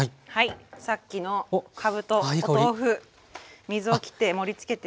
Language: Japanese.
さっきのかぶとお豆腐水をきって盛りつけてあります。